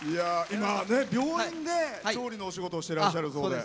今ね病院で調理のお仕事をしていらっしゃるそうで。